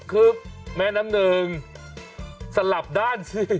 คือแม่น้ำหนึ่งสลับด้านสิ